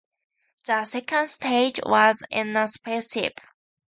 The second stage was in a spaceship.